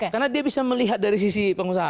karena dia bisa melihat dari sisi pengusaha